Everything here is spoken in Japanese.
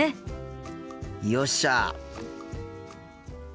よっしゃ！